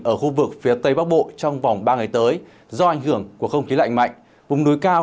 ở khu vực phía tây bắc bộ trong vòng ba ngày tới do ảnh hưởng của không khí lạnh mạnh vùng núi cao